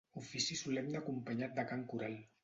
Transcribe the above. Ofici solemne acompanyat de cant coral.